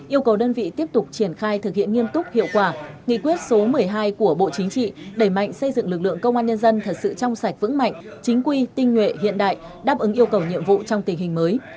yêu cầu đơn vị tiếp tục triển khai thực hiện nghiêm túc hiệu quả nghị quyết số một mươi hai của bộ chính trị đẩy mạnh xây dựng lực lượng công an nhân dân thật sự trong sạch vững mạnh chính quy tinh nguyện hiện đại đáp ứng yêu cầu nhiệm vụ trong tình hình mới